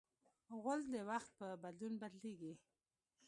غول د وخت په بدلون بدلېږي.